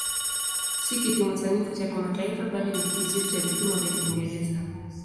Si kipimo sanifu cha kimataifa bali ni kizio cha vipimo vya Uingereza.